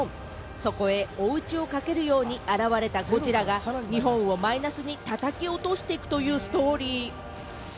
そこへ追い打ちをかけるように現れたゴジラが日本をマイナスに叩き落としていくというストーリー。